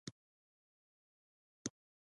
د زیار او همت کیسه ده.